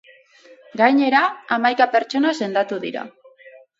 Gainera, hamaika pertsona sendatu dira.